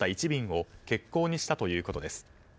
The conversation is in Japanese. １便を欠航にしたということです。